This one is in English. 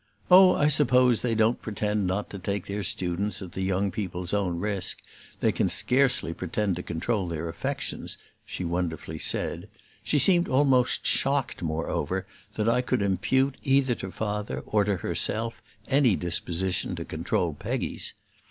"Oh, I suppose they don't pretend not to take their students at the young people's own risk: they can scarcely pretend to control their affections!" she wonderfully said; she seemed almost shocked, moreover, that I could impute either to Father or to herself any disposition to control Peggy's.